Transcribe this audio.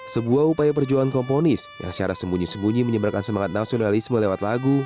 sebuah upaya perjuangan komponis yang secara sembunyi sembunyi menyeberkan semangat nasionalisme lewat lagu